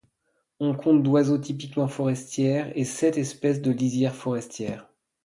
On compte d'oiseaux typiquement forestières et sept espèces de lisière forestière.